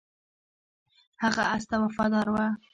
هغه اس ته وفادار و.